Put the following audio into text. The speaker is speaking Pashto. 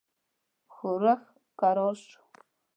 ښورښ کرار شو.